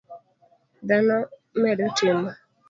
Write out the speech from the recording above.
Dhano medo timo